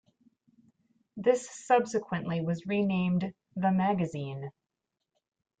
This subsequently was renamed "The Magazine".